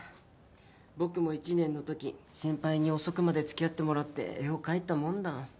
僕も１年のとき先輩に遅くまで付き合ってもらって絵を描いたもんだ。